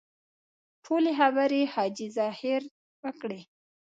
ټولې خبرې حاجي ظاهر وکړې.